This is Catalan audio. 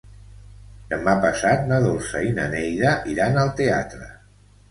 Demà passat na Dolça i na Neida iran al teatre.